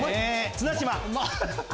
綱島。